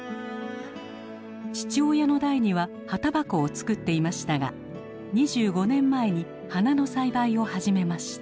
父親の代には葉たばこを作っていましたが２５年前に花の栽培を始めました。